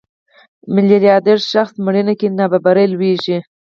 میلیاردر شخص مړینه کې نابرابري لوړېږي.